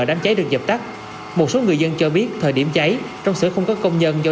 đám cháy được dập tắt một số người dân cho biết thời điểm cháy trong sở không có công nhân do